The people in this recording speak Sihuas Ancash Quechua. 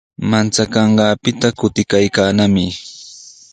Manchakanqaapita kutikaykaanami.